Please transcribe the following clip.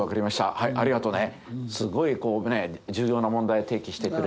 はいありがとね。